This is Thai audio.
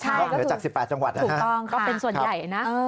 เหนือจาก๑๘จังหวัดนะถูกต้องก็เป็นส่วนใหญ่นะ